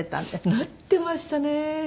なってましたね。